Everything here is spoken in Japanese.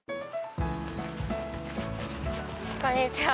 こんにちは。